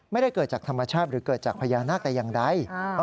ไม่ได้เกิดจากธรรมชาติหรือเกิดจากพญานาคแต่อย่างใด